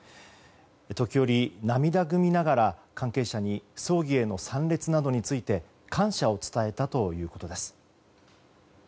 時折、涙ぐみながら関係者に葬儀への参列などについて感謝を伝えたということです。